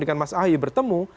dengan mas ahi bertemu